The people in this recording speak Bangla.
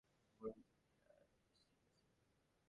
ঠিক মনে হইল, শব্দটা নদীর ঘাটের উপর হইতে উঠিয়া আসিতেছে।